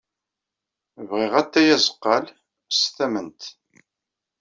Bɣiɣ atay aẓeɣɣal s tamemt.